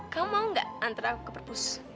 kamu mau gak antar aku ke perpus